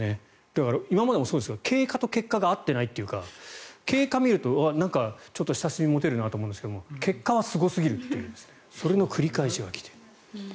だから、今までもそうですが経過と結果が合っていないというか経過を見るとちょっと親しみ持てるなと思うんですが結果はすごすぎるというそれの繰り返し。